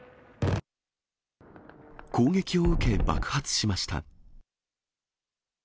攻撃を受け、爆発しました。